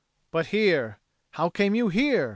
"But here how came you here?"